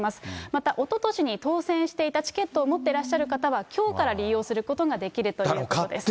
また、おととしに当せんしていたチケットを持ってらっしゃる方は、きょうから利用することができるということです。